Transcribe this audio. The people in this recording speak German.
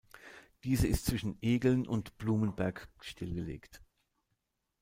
Diese ist zwischen Egeln und Blumenberg stillgelegt.